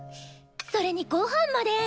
それにごはんまで。